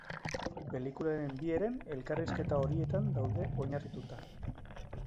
Pelikularen bi heren elkarrizketa horietan daude oinarrituta.